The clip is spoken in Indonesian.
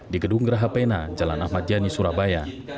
di gedung geraha pena jalan ahmad jani surabaya